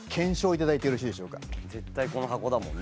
絶対この箱だもんね。